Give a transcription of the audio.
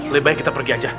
lebih baik kita pergi aja